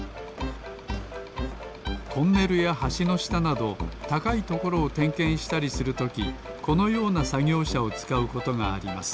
トンネルやはしのしたなどたかいところをてんけんしたりするときこのようなさぎょうしゃをつかうことがあります